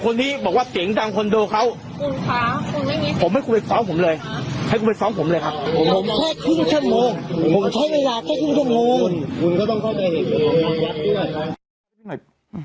นี่นะครับ